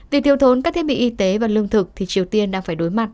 vì thiếu thốn các thiết bị y tế và lương thực thì triều tiên đang phải đối mặt